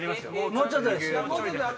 もうちょっとです。